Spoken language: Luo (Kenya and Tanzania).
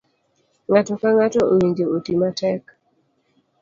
ng'ato ka ng'ato owinjo oti matek.